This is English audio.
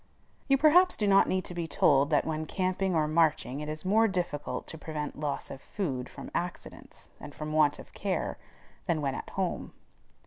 You perhaps do not need to be told that when camping or marching it is more difficult to prevent loss of food from accidents, and from want of care, than when at home.